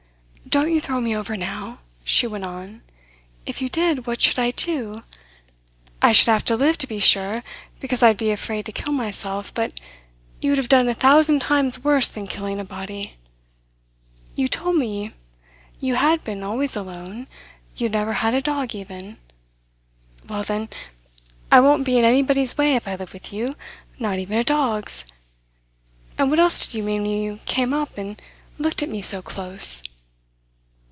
"Don't you throw me over now," she went on. "If you did, what should I do? I should have to live, to be sure, because I'd be afraid to kill myself, but you would have done a thousand times worse than killing a body. You told me you had been always alone, you had never had a dog even. Well, then, I won't be in anybody's way if I live with you not even a dog's. And what else did you mean when you came up and looked at me so close?"